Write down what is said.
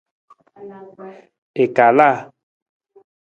I kalaa.